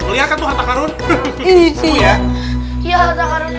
liat gak tuh hata karun